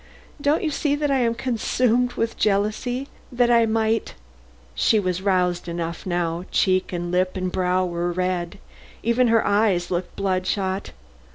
Don't you see that I am consumed with jealousy? That I might " She was roused enough now, cheek and lip and brow were red; even her eyes looked blood shot.